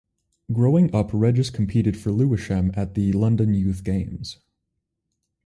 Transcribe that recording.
Growing up Regis competed for Lewisham at the London Youth Games.